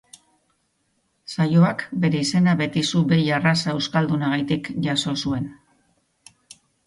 Saioak bere izena Betizu behi arraza euskaldunagatik jaso zuen.